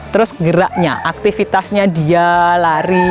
terus geraknya aktivitasnya dia lari